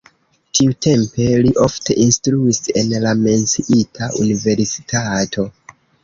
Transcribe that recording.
Tiutempe li ofte instruis en la menciita universitato.